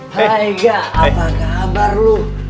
hai enggak apa kabar lu